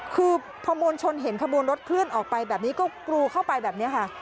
คือพอมวลชนเห็นขบวนรถเคลื่อนออกไปแบบนี้ก็กรูเข้าไปแบบนี้ค่ะ